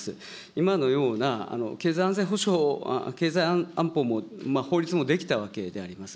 今のような経済安全保障、経済安保も法律も出来たわけであります。